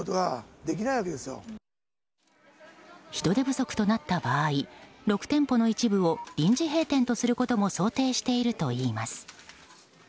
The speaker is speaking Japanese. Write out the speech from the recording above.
人手不足となった場合６店舗の一部を臨時閉店とすることも想定しているといいます。